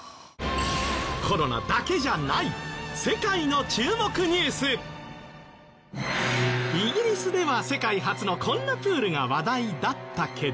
コロナだけじゃないイギリスでは世界初のこんなプールが話題だったけど。